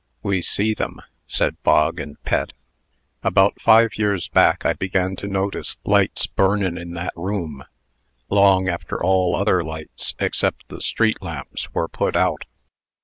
"We see them," said Bog and Pet. "About five years back, I began to notice lights burnin' in that room, long after all other lights, except the street lamps, was put out.